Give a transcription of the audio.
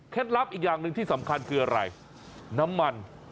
ลับอีกอย่างหนึ่งที่สำคัญคืออะไรน้ำมัน